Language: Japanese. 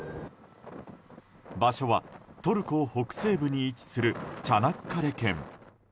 場所はトルコ北西部に位置するチャナッカレ県。